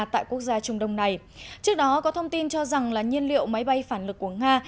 trước đó có thông tin cho rằng là nhân liệu máy bay phản lực của nga